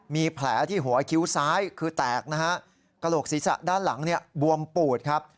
มีแผลที่หัวคิ้วซ้ายคือแตกนะฮะกระโหลกศีรษะด้านหลังเนี่ยบวมปูดครับ